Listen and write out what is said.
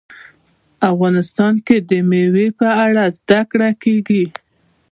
افغانستان کې د مېوې په اړه زده کړه کېږي.